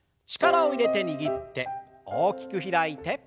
力を入れて握って大きく開いて。